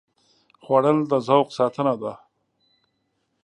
خوړل د ذوق ساتنه ده